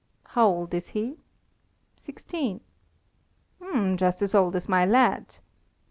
"How old is he?" "Sixteen." "Just as old as my lad.